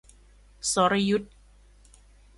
สรยุทธ